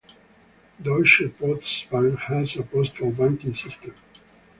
Deutsche Postbank has a postal banking system.